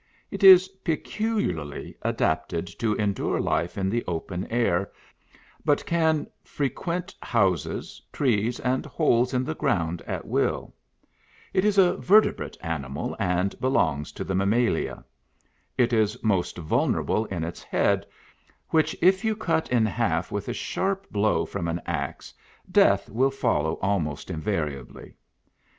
It is peculiarly adapted to endure life in the open air, but can frequent houses, trees, and holes in the ground at will. It is a verte brate animal and belongs to the Mammalia. It is most vulnerable in its head, which if you cut in half with a sharp blow from an axe, death will follow almost invariably.